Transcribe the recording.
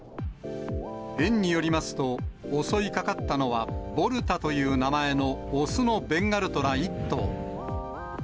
園によりますと、襲いかかったのはボルタという名前の雄のベンガルトラ１頭。